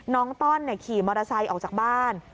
ต้อนขี่มอเตอร์ไซค์ออกจากบ้าน